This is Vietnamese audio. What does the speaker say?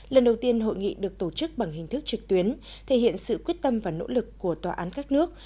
lần đầu tiên hội nghị được tổ chức bằng hình thức trực tuyến thể hiện sự quyết tâm và nỗ lực của tòa án các nước